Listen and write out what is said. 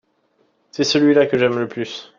c'est celui-là que j'aime le plus.